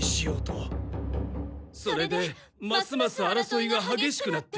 それでますますあらそいがはげしくなって。